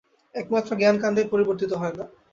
একমাত্র জ্ঞানকাণ্ডই পরিবর্তিত হয় না।